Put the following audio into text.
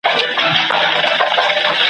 وئېل ئې د ساه ګانو جوارۍ وته حيران دي `